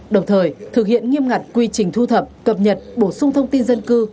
đồng thời thực hiện nghiêm ngặt quy trình thu thập cập nhật bổ sung thông tin dân cư